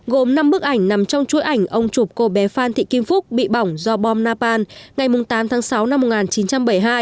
gồm năm bức ảnh nằm trong chuỗi ảnh ông chụp cô bé phan thị kim phúc bị bỏng do bom napal ngày tám tháng sáu năm một nghìn chín trăm bảy mươi hai